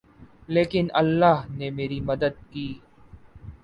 لیکن اللہ نے میری مدد کی